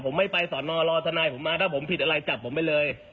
ผมไม่ไปสอนอรอทนายผมมาถ้าผมผิดอะไรจับผมไปเลย